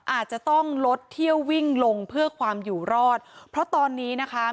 อาจจะต้องลดเที่ยววิ่งลงเพื่อความอยู่รอดเพราะตอนนี้นะคะ